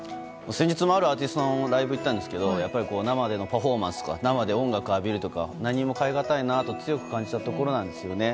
先日もあるアーティストのライブに行ったんですけど生でのパフォーマンスや生で音楽を浴びるとか何物にも代えがたいなと強く感じたところなんですよね。